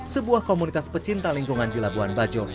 sebuah komunitas pecinta lingkungan di labuan bajo